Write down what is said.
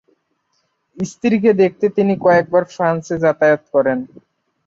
স্ত্রীকে দেখতে তিনি কয়েকবার ফ্রান্সে যাতায়াত করেন।